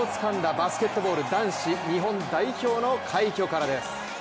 バスケットボール男子日本代表の快挙からです。